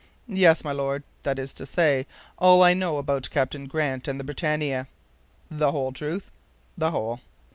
"Yes, my Lord, that is to say, all I know about Captain Grant and the BRITANNIA." "The whole truth?" "The whole."